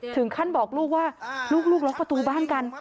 ถึงขั้นบอกลูกว่าลูกล็อกประตูบ้านกัน